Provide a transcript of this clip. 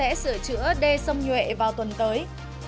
hà nội sẽ sửa chữa đê sông nhuệ vào tuần tới